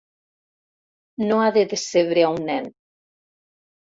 No ha de decebre a un nen.